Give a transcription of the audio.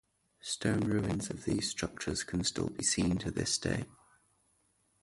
Stone ruins of these structures can still be seen to this day.